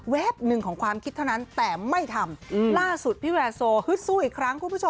หนึ่งของความคิดเท่านั้นแต่ไม่ทำล่าสุดพี่แวร์โซฮึดสู้อีกครั้งคุณผู้ชม